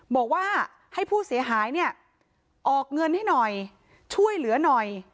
บอกว่าให้ผู้เสียหายเนี่ยออกเงินให้หน่อยช่วยเหลือหน่อย